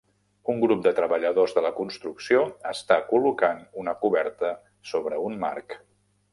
Un grup de treballadors de la construcció està col·locant una coberta sobre un marc.